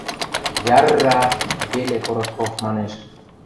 – Яр-р-ра... – веле Коротков манеш.